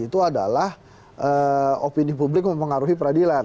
itu adalah opini publik mempengaruhi peradilan